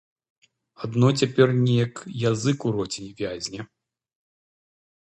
Адно цяпер неяк язык у роце вязне.